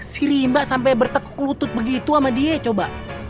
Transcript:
si rimba sampe bertekuk lutut begitu sama dia coba